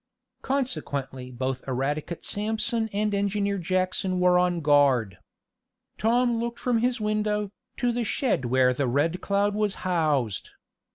Consequently both Eradicate Sampson and Engineer Jackson were on guard. Tom looked from his window, to the shed where the Red Cloud was housed.